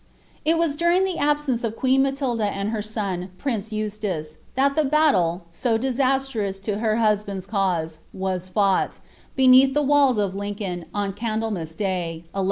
It was during the absence of queen Matilda and her son, prince Eub tace, that the ^ttle, so disastrous to her husband's cause, was fouffht, beneath the walls of Lincoln, on Candlemas day, 1141.